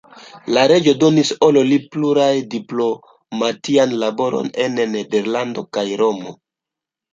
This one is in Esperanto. La reĝo donis al li plurajn diplomatiajn laborojn en Nederlando kaj Romo.